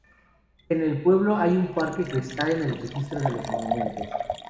En el pueblo hay un parque, que está en el registro de los monumentos.